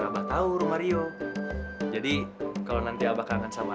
ada kututnya di mana pak